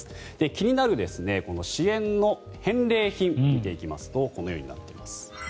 気になる支援の返礼品を見ていきますとこのようになっています。